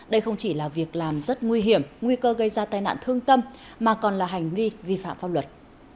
đây không chỉ là việc làm rất nguy hiểm nguy cơ gây ra tai nạn thương tâm mà còn là hành vi vi phạm pháp luật